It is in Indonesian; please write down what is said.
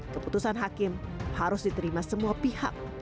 keputusan hakim harus diterima semua pihak